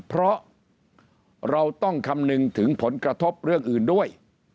เพราะเราต้องคำนึงถึงผลกระทบเรื่องอื่นด้วย